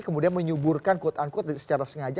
kemudian menyuburkan secara sengaja